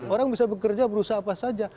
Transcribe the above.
orang bisa bekerja berusaha apa saja